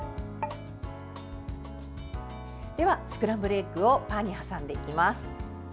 では、スクランブルエッグをパンに挟んでいきます。